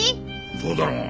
そうだろうが。